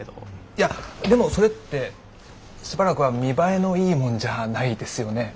いやでもそれってしばらくは見栄えのいいもんじゃないですよね。